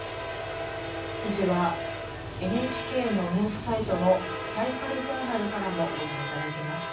記事はＮＨＫのニュースサイトのサイカルジャーナルからもご覧いただけます。